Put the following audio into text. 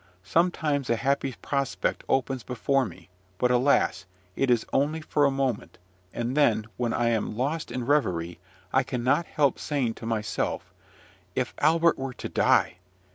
Sometimes a happy prospect opens before me; but alas! it is only for a moment; and then, when I am lost in reverie, I cannot help saying to myself, "If Albert were to die?